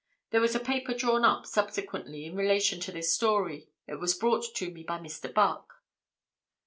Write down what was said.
There was a paper drawn up subsequently, in relation to this story, it was brought to me by Mr. Buck."